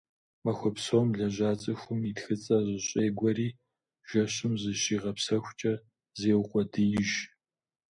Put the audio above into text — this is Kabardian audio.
Махуэ псом лэжьа цӏыхум и тхыцӏэр зэщегуэри, жэщым, зыщигъэпсэхукӏэ, зеукъуэдииж.